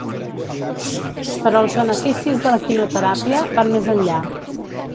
Però els beneficis de l’equinoteràpia van més enllà.